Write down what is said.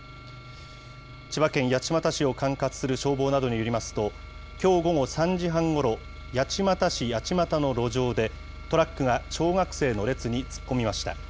千葉県八街市を管轄する消防などによりますと、きょう午後３時半ごろ、八街市八街の路上で、トラックが小学生の列に突っ込みました。